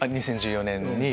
２０１４年に。